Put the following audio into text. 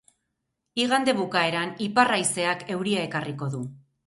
Igande bukaeran ipar haizeak euria ekarriko du.